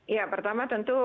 ya pertama tentu